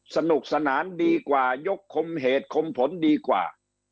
สนุกสนานดีกว่ายกคมเหตุคมผลดีกว่า